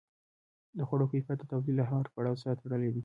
د خوړو کیفیت د تولید له هر پړاو سره تړلی دی.